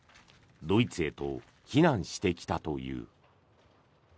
ドイツへと避難してきたという。